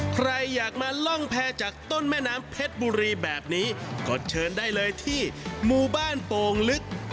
ใครอยากมาล่องแพรจากต้นแม่น้ำเพชรบุรีแบบนี้ก็เชิญได้เลยที่หมู่บ้านโป่งลึก